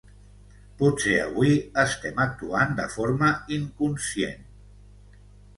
Potser avui estem actuant de forma inconscient